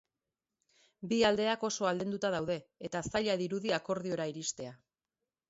Bi aldeak oso aldenduta daude, eta zaila dirudi akordiora iristea.